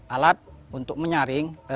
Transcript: alat untuk menyaring